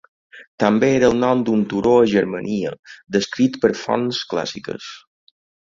També era el nom d'un turó a Germania descrit per fonts clàssiques.